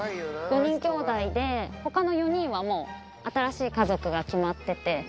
５人きょうだいで他の４人はもう新しい家族が決まってて。